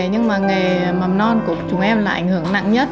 nhưng mà nghề mầm non của chúng em là ảnh hưởng nặng nhất